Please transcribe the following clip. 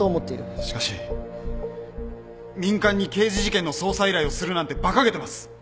しかし民間に刑事事件の捜査依頼をするなんてバカげてます。